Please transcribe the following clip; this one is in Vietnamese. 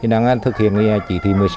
đang thực hiện chỉ thị một mươi sáu